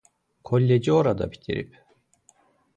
Kolleci orada bitirib.